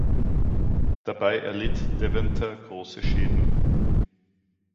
Dabei erlitt Deventer große Schäden.